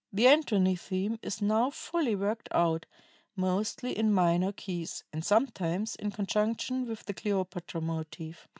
"The Antony theme is now fully worked out, mostly in minor keys and sometimes in conjunction with the Cleopatra motive.